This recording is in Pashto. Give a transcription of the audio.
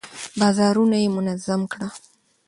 بازارونه يې منظم کړل.